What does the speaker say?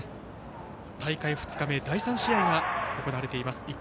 大会２日目第３試合が行われています。